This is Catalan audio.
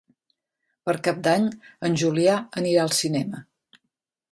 Per Cap d'Any en Julià anirà al cinema.